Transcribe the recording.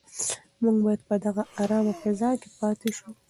موږ باید په دغه ارامه فضا کې پاتې شو.